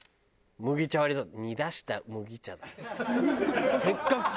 麦茶割りだと煮出した麦茶。